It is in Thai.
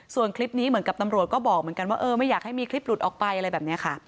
ส่วนคลิปนี้เหมือนกับตำรวจก็บอกเหมือนกันว่าเออไม่อยากให้มีคลิปหลุดออกไปอะไรแบบนี้ค่ะ